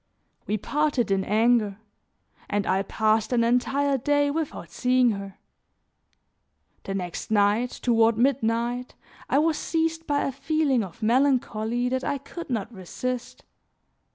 We parted in anger, and I passed an entire day without seeing her. The next night, toward midnight, I was seized by a feeling of melancholy that I could not resist.